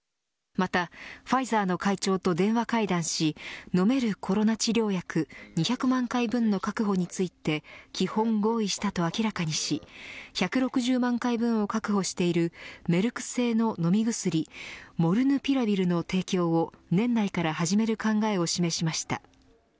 また、ファイザーの会長と電話会談し飲めるコロナ治療薬２００万回分の確保について基本合意したと明らかにし１６０万回分を確保しているメルク製の飲み薬モルヌピラビルの提供を年内から始める考えを示しました。